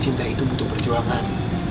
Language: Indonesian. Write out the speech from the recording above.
cinta itu butuh perjuangan